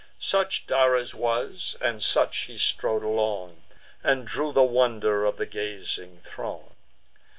Such Dares was; and such he strode along, And drew the wonder of the gazing throng.